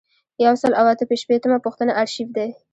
یو سل او اته شپیتمه پوښتنه آرشیف دی.